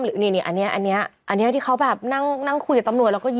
อันนี้อันนี้ที่เขาแบบนั่งคุยกับตำรวจแล้วก็